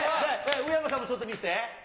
宇山さんもちょっと見せて。